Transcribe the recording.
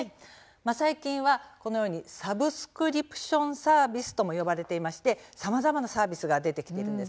最近はサブスクリプションサービスとも呼ばれていましてさまざまなサービスが出てきています。